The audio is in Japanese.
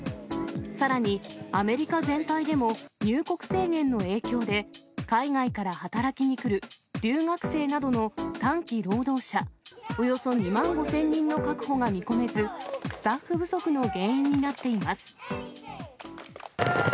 さらに、アメリカ全体でも入国制限の影響で、海外から働きに来る留学生などの短期労働者、およそ２万５０００人の確保が見込めず、スタッフ不足の原因になっています。